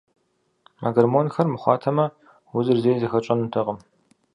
А гормонхэр мыхъуатэмэ, узыр зэи зыхэтщӏэнутэкъым.